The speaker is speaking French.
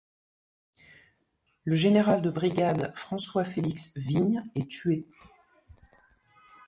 Le général de brigade François Félix Vignes est tué.